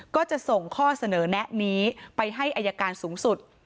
ก็จะส่งข้อเสนอแนะนี้ไปให้อายการสูงสุด